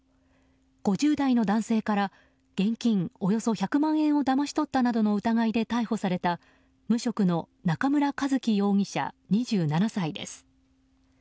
５０代の男性から現金およそ１００万円をだまし取ったなどの疑いで逮捕された無職の中村一気容疑者、２７歳です。